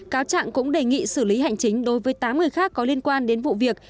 cáo trạng cũng đề nghị xử lý hành chính đối với tám người khác có liên quan đến vụ việc